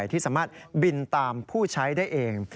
ที่สามารถบินตามผู้ใช้ได้เอง